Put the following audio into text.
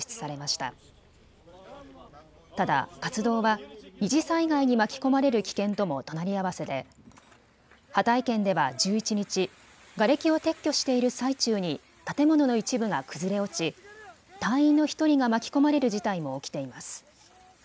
ただ活動は二次災害に巻き込まれる危険とも隣り合わせでハタイ県では１１日、がれきを撤去している最中に建物の一部が崩れ落ち隊員の１人が巻き込まれる事態も起きています。